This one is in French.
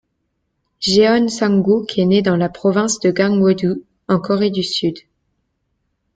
Jeon Sang-guk est né le dans la province de Gangwon-do, en Corée du Sud.